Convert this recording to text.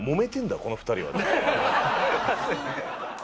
この２人は。